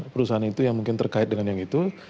perusahaan itu yang mungkin terkait dengan yang itu